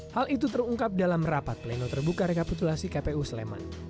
hal itu terungkap dalam rapat pleno terbuka rekapitulasi kpu sleman